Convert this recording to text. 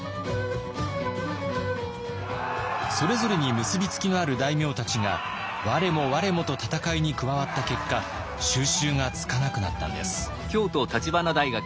それぞれに結び付きのある大名たちが我も我もと戦いに加わった結果収拾がつかなくなったんです。